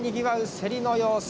競りの様子。